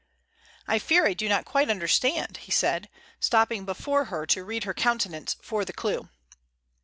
"I fear I do not quite understand," he said, stopping before her to read her countenance for the clue.